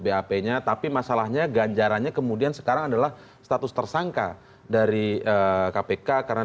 bap nya tapi masalahnya ganjarannya kemudian sekarang adalah status tersangka dari kpk karena